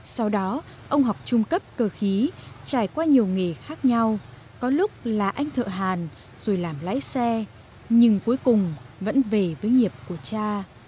sau đó ông học trung cấp cơ khí trải qua nhiều nghề khác nhau có lúc là anh thợ hàn rồi làm lái xe nhưng cuối cùng vẫn về với nghiệp của cha